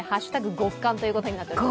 極寒ということになっています。